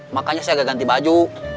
makanya saya agak ganti baju